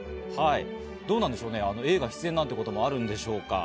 どうなんでしょうね、映画出演なんてこともあるんでしょうか？